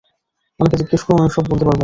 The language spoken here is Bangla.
ওনাকে জিজ্ঞেস করুন, উনি সব বলতে পারবেন।